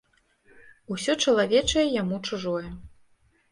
Усё чалавечае яму чужое.